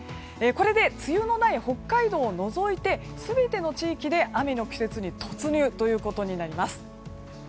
これで梅雨のない北海道を除いて全ての地域で雨の季節に突入ということになります。